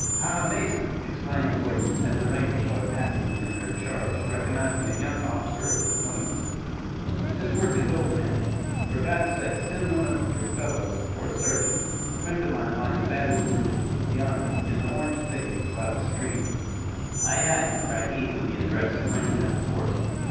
"Ha, Mason," exclaimed Gordon, as the rangers swept past him in their charge, recognizing a young officer of his acquaintance. "This work is over now. For God's sake send one of your fellows for a surgeon. A friend of mine lies badly wounded, yonder, in the orange thicket, by the stream." "Aye, aye!" cried he whom he addressed, reining up his horse.